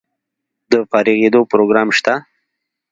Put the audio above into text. د فارغیدو پروګرام شته؟